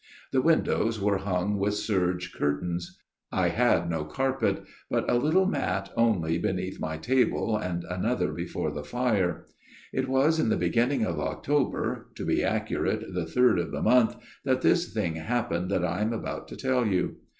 The windows were hung with serge curtains. I had no carpet ; but 118 A MIRROR OF SHALOTT a little mat only beneath my table and another before the fire. " It was in the beginning of October to be accurate, the third of the month that this thing happened that I am about to tell you.